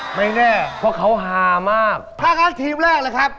จะได้รู้ไหมวันนี้ว่าคือใคร